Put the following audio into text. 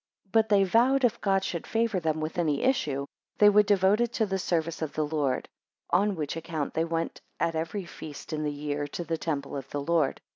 6 But they vowed, if God should favour them with any issue, they would devote it to the service of the Lord; on which account they went at every feast in the year to the temple of the Lord.